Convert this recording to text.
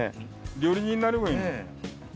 料理人になればいい。